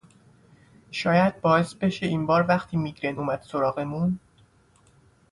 شاید باعث بشه این بار وقتی میگرِن اومد سراغمون